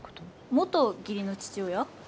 元義理の父親？